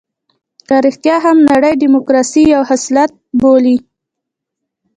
که رښتيا هم نړۍ ډيموکراسي یو خصلت بولي.